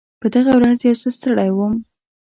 په دغه ورځ یو څه ستړی وم.